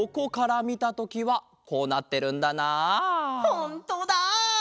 ほんとだ！